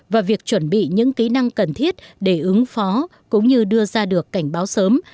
và việc chuẩn bị những kỹ năng cần thiết để ứng phó cũng như đưa ra được cảnh báo sớm